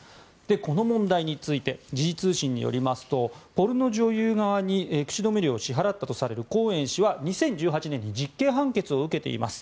この問題について時事通信によりますとポルノ女優側に口止め料を支払ったとされるコーエン氏は２０１８年に実刑判決を受けています。